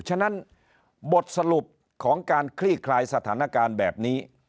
ฉะนั้นบทสรุปของการคลี่คลายสถานการณ์แบบนี้